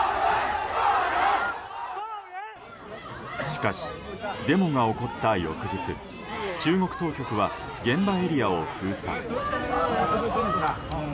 しかし、デモが起こった翌日中国当局は現場エリアを封鎖。